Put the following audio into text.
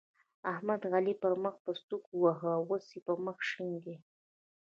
احمد؛ علي پر مخ په سوک وواهه ـ اوس يې مخ شين دی.